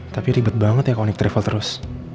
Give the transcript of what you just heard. tapi ribet banget ya kalau nik travel terus